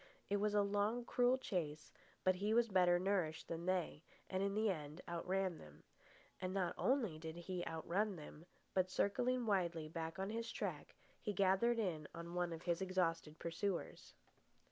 It was a long, cruel chase, but he was better nourished than they, and in the end outran them. And not only did he outrun them, but, circling widely back on his track, he gathered in one of his exhausted pursuers.